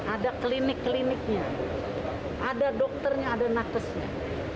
ada klinik kliniknya ada dokternya ada nakesnya